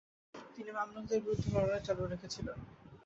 তিনি মামলুকদের বিরুদ্ধে লড়াই চালু রেখেছিলেন।